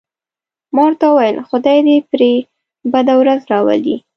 ما ورته وویل: خدای دې پرې بده ورځ راولي.